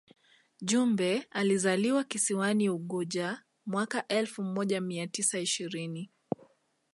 Jumbe alizaliwa kisiwani Unguja mwaka elfu moja mia tisa ishirini